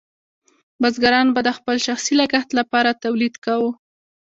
بزګرانو به د خپل شخصي لګښت لپاره تولید کاوه.